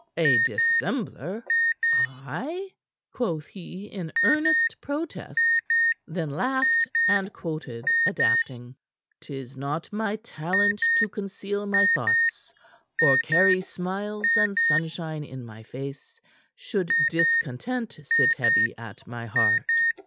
"A dissembler, I?" quoth he in earnest protest; then laughed and quoted, adapting, "'Tis not my talent to conceal my thoughts Or carry smiles and sunshine in my face Should discontent sit heavy at my heart."